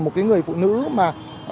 một cái người phụ nữ mà